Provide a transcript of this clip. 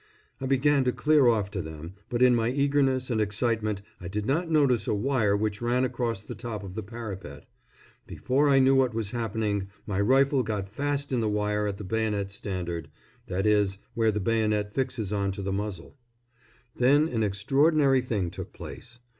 I began to clear off to them, but in my eagerness and excitement I did not notice a wire which ran across the top of the parapet. Before I knew what was happening my rifle got fast in the wire at the bayonet standard that is, where the bayonet fixes on to the muzzle. Then an extraordinary thing took place.